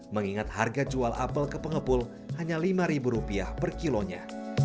mengingat harga jual apel ke pengepul hanya rp lima per kilonya